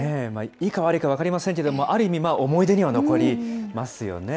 いいか悪いか分かりませんけれども、ある意味、思い出には残りますよね。